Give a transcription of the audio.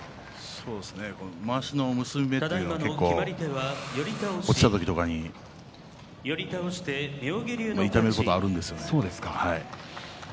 まわしの結び目が結構、落ちた時とかに痛めることがあるんですよ。